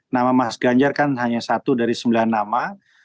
nama mas ganjar kan hanya satu dari sembilan nama